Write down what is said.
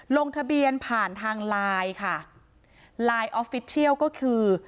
ลงทะเบียนผ่านทางไลน์ค่ะไลน์ออฟฟิศเทียลก็คือ